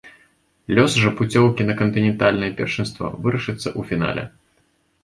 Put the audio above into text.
Лёс жа пуцёўкі на кантынентальнае першынства вырашыцца ў фінале.